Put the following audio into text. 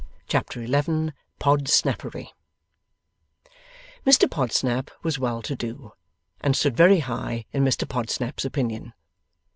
Chapter 11 PODSNAPPERY Mr Podsnap was well to do, and stood very high in Mr Podsnap's opinion.